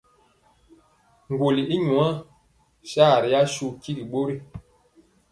Ŋgɔli i nwa sa ri asu tigi ɓori.